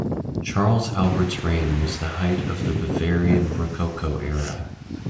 Charles Albert's reign was the height of the Bavarian rococo era.